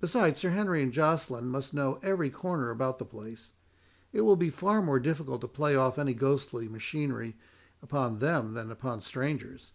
Besides, Sir Henry and Joceline must know every corner about the place: it will be far more difficult to play off any ghostly machinery upon him than upon strangers.